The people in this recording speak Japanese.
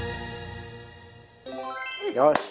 よし！